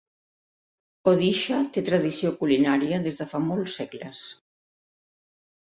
Odisha té tradició culinària des de fa molts segles.